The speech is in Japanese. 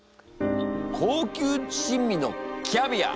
高級珍味のキャビア！